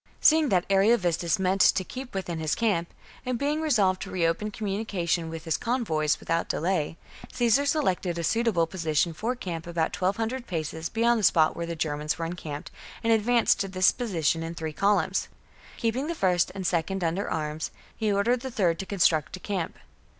49. Seeing that Ariovistus meant to keep Caesar re within his camp, and being resolved to reopen communica communication with his convoys without delay, constructs a Caesar selected a suitable position for a camp camp. about twelve hundred paces beyond the spot where the Germans were encamped, and advanced to this position in three columns. Keeping the first and second under arms, he ordered the third to construct a camp.